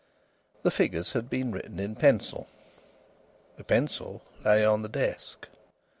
The figures had been written in pencil. The pencil lay on the desk.